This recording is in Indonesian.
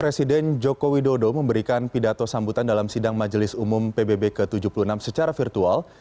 presiden joko widodo memberikan pidato sambutan dalam sidang majelis umum pbb ke tujuh puluh enam secara virtual